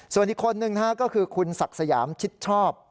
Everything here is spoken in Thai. ส่วนอีกคนนึงนะครับก็คือคุณศักข์สยามชิคชอบ